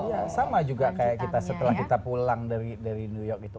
iya sama juga kayak kita setelah kita pulang dari new york gitu